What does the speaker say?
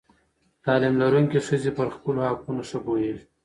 تعلیم لرونکې ښځې پر خپلو حقونو ښه پوهېږي.